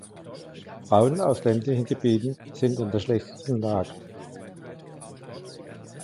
Frauen aus ländlichen Gebieten sind in der schlechtesten Lage.